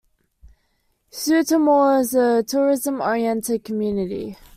Sutomore is a tourism oriented community.